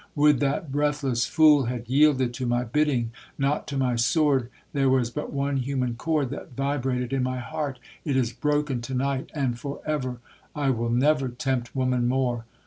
Would that breathless fool had yielded to my bidding, not to my sword—there was but one human chord that vibrated in my heart—it is broken to night, and for ever! I will never tempt woman more!